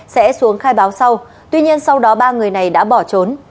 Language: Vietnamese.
sẽ xuống khai báo sau tuy nhiên sau đó ba người này đã bỏ trốn